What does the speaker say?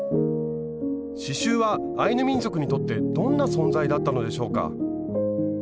刺しゅうはアイヌ民族にとってどんな存在だったのでしょうか？